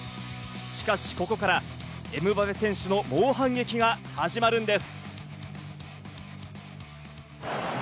しかし、ここからエムバペ選手の猛反撃が始まるんです。